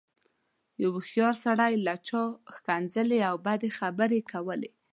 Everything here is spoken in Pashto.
يوه هوښيار سړي ته چا ښکنځلې او بدې خبرې کولې.